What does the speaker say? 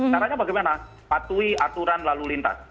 caranya bagaimana patuhi aturan lalu lintas